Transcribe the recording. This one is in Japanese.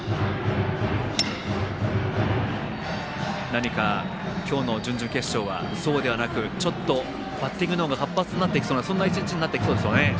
何か今日の準々決勝はそうではなくちょっとバッティングの方が活発になってきそうなそんな一日になってきそうですね。